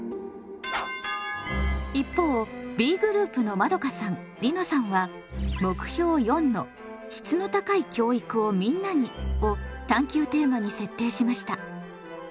一方Ｂグループのまどかさんりのさんは目標４の「質の高い教育をみんなに」を探究テーマに設定しました。